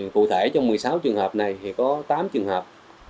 cụ thể trong một mươi sáu trường hợp này thì có tám trường hợp